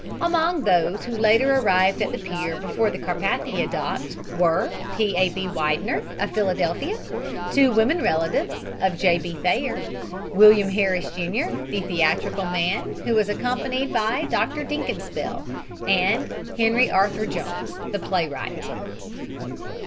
Among those who later arrived at the pier before the Carpathia docked were P. A. B. Widener, of Philadelphia, two women relatives of J. B. Thayer, William Harris, Jr., the theatrical man, who was accompanied by Dr Dinkelspiel, and Henry Arthur Jones, the playwright.